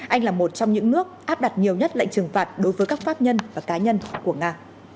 anh là một trong những nước áp đặt nhiều nhất lệnh trừng phạt đối với các pháp nhân và cá nhân của nga